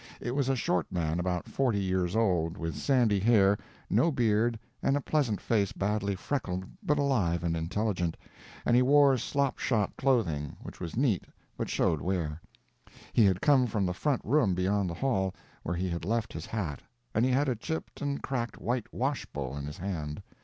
It was a short man about forty years old, with sandy hair, no beard, and a pleasant face badly freckled but alive and intelligent, and he wore slop shop clothing which was neat but showed wear. He had come from the front room beyond the hall, where he had left his hat, and he had a chipped and cracked white wash bowl in his hand.